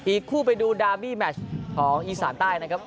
อีกคู่ไปดูดาบี้แมชของอีสานใต้นะครับ